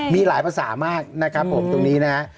มีหลายภาษามากนะครับผมตรงนี้นะฮะ